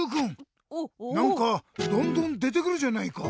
なんかどんどんでてくるじゃないか。